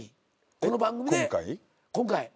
この番組で今回。